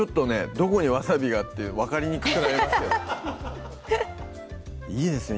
どこにわさびがっていう分かりにくさがありますけどいいですね